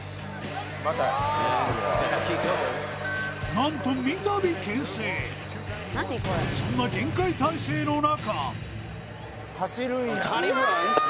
何とそんな厳戒態勢の中